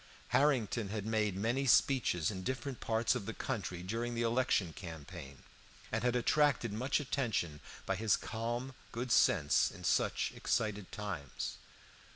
Harrington had made many speeches in different parts of the country during the election campaign, and had attracted much attention by his calm good sense in such excited times.